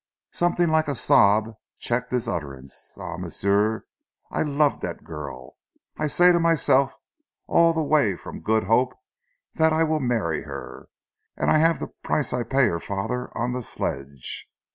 Something like a sob checked his utterance. "Ah, m'sieu, I love dat girl. I say to myself all zee way from Good Hope dat I weel her marry, an' I haf the price I pay her fader on zee sledge.